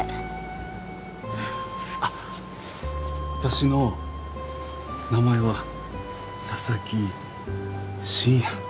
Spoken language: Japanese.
あっ私の名前は佐々木深夜です。